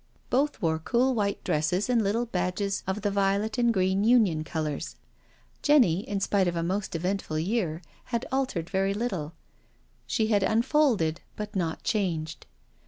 Both wore cool white dresses and little badges of the violet and green Union colours. Jenny, in spite of a most eventful year, had altered very little — she had unfolded, but not changed.